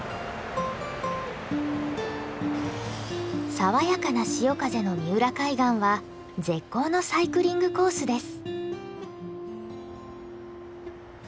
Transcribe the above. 爽やかな潮風の三浦海岸は絶好のサイクリングコースです。